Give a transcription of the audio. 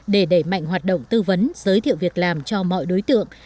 để đẩy mạnh hoạt động tư vấn giới thiệu việc làm cho mọi đối tượng